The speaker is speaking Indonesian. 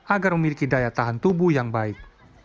agar memiliki daya tahan tubuh yang baik